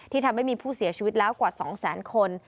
ที่ทำให้มีผู้เสียชีวิตแล้วกว่า๒๐๐๐๐๐คน